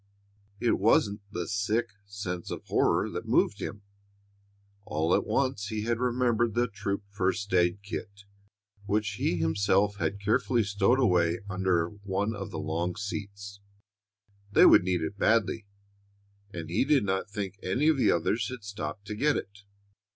It wasn't the sick sense of horror that moved him. All at once he had remembered the troop first aid kit, which he himself had carefully stowed away under one of the long seats. They would need it badly, and he did not think any of the others had stopped to get it.